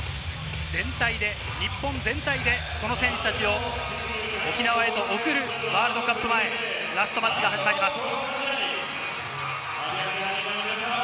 日本全体でこの選手たちを沖縄へと送るワールドカップ前ラストマッチが始まります。